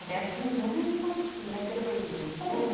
路面がちょっとぬれているように見えますね。